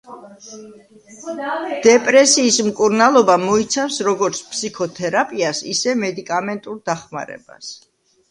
დეპრესიის მკურნალობა მოიცავს როგორც ფსიქოთერაპიას, ისე მედიკამენტურ დახმარებას.